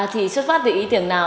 thì xuất phát từ ý tưởng nào